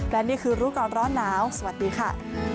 และนี่คือรู้ก่อนร้อนหนาวสวัสดีค่ะ